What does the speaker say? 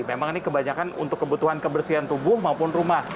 memang ini kebanyakan untuk kebutuhan kebersihan tubuh maupun rumah